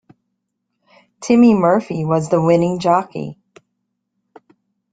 Timmy Murphy was the winning jockey.